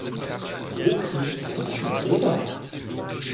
Wo kriegen wir sechs Träger her?